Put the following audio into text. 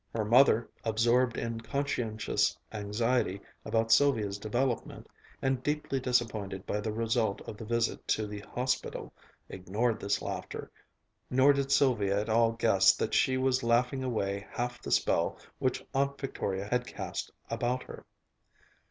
Her mother, absorbed in conscientious anxiety about Sylvia's development, and deeply disappointed by the result of the visit to the hospital, ignored this laughter, nor did Sylvia at all guess that she was laughing away half the spell which Aunt Victoria had cast about her.